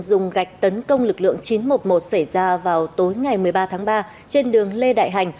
dùng gạch tấn công lực lượng chín trăm một mươi một xảy ra vào tối ngày một mươi ba tháng ba trên đường lê đại hành